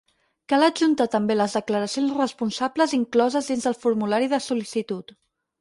Cal adjuntar també les declaracions responsables incloses dins del formulari de sol·licitud.